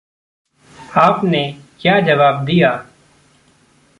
आप ने क्या जवाब दिया?